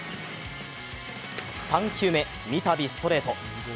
３球目、みたびストレート。